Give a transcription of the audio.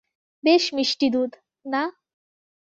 বেশ মিষ্টি দুধ, না?